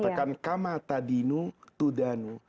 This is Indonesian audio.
itu dalam agama dikatakan